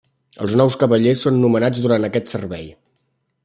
Els nous cavallers són nomenats durant aquest servei.